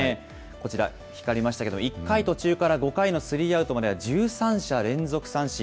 こちら、光りましたけれども、１回途中から５回のスリーアウトまで１３者連続三振。